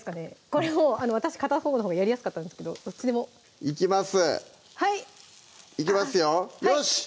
これもう私片方のほうがやりやすかったんですけどどっちでもいきますいきますよよし！